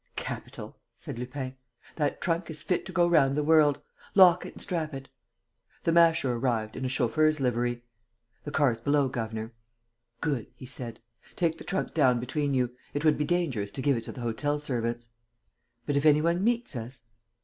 "Capital!" said Lupin. "That trunk is fit to go round the world. Lock it and strap it." The Masher arrived, in a chauffeur's livery: "The car's below, governor." "Good," he said. "Take the trunk down between you. It would be dangerous to give it to the hotel servants." "But if any one meets us?"